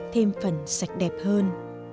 thêm phần sạch đẹp hơn